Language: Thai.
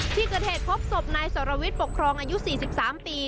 ที่เกิดเหตุพบศพนายสรวิทย์ปกครองอายุ๔๓ปี